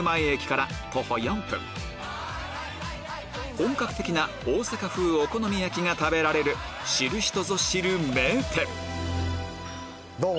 本格的な大阪風お好み焼きが食べられる知る人ぞ知る名店どうも！